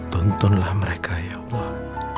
tuntunlah mereka ya allah